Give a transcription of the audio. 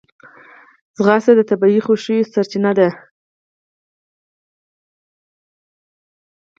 منډه د طبیعي خوښیو سرچینه ده